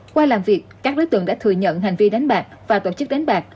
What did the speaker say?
qua làm việc các đối tượng đã thừa nhận hành vi đánh bạc và tổ chức đánh bạc